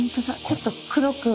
ちょっと黒く。